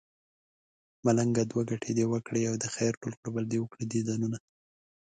ملنګه دوه ګټې دې وکړې يو دې خير ټول کړو بل دې وکړل ديدنونه